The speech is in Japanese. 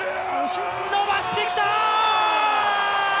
伸ばしてきたー！